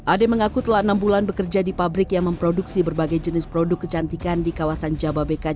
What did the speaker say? ade mengaku telah enam bulan bekerja di pabrik yang memproduksi berbagai jenis produk kecantikan di kawasan jababeka